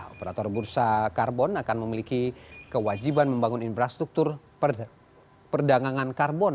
operator bursa karbon akan memiliki kewajiban membangun infrastruktur perdagangan karbon